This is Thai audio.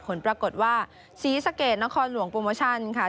ผลปรากฏว่าศรีสะเกียรตินครดวงโปรโมชาติค่ะ